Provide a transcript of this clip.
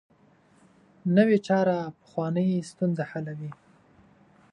نوې چاره پخوانۍ ستونزه حلوي